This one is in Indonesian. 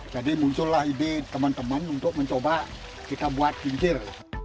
jadi muncullah ide teman teman untuk mencoba kita buat kincir